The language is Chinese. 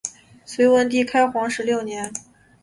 隋文帝开皇十六年。